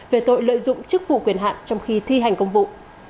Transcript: về tội lợi dụng chức vụ quyền hạn trong khi thi hành công vụ